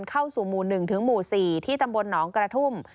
เข้าสู่หมู่๑ถึงหมู่๔ที่ตำบลหนองกระทุ่ม